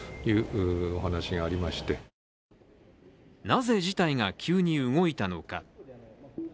なぜ事態が急に動いたのか。